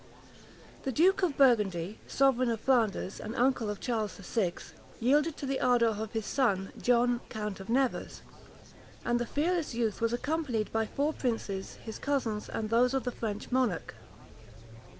61 The duke of Burgundy, sovereign of Flanders, and uncle of Charles the Sixth, yielded to the ardor of his son, John count of Nevers; and the fearless youth was accompanied by four princes, his cousins, and those of the French monarch.